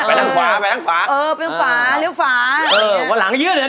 เออเป็นฝาเลือกฝา